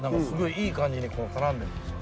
いい感じに絡んでんですよ。